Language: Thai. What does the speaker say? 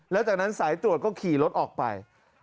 แล้วจากนั้นสายตรวจก็ขี่รถออกไป